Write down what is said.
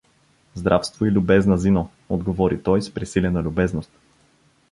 — Здравствуй, любезна Зино — отговори той с пресилена любезност.